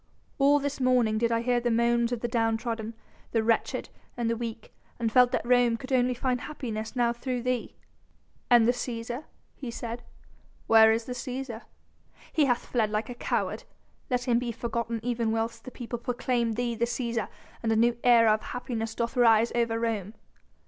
All this morning did I hear the moans of the down trodden, the wretched and the weak, and felt that Rome could only find happiness now through thee." "And the Cæsar?" he said. "Where is the Cæsar?" "He hath fled like a coward. Let him be forgotten even whilst the people proclaim thee the Cæsar and a new era of happiness doth rise over Rome."